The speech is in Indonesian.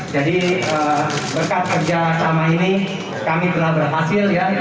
jadi berkat kerjasama ini kami telah berhasil ya